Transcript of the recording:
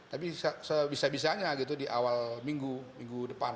tapi sebisa bisanya gitu di awal minggu minggu depan